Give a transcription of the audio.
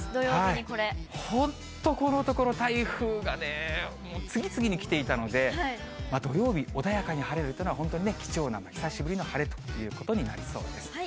本当、このところ、台風がね、次々に来ていたので、土曜日、穏やかに晴れるっていうのは、本当に貴重な久しぶりの晴れということになりそうです。